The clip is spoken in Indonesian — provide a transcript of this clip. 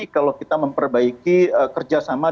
kalau kita memperbaiki kerjasama dan perbaikan